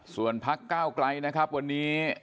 ส่วนพักก้าวไกลนะครับวันนี้